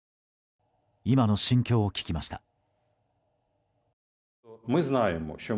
今の心境を聞きました。